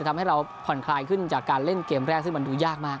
ทำให้เราผ่อนคลายขึ้นจากการเล่นเกมแรกซึ่งมันดูยากมาก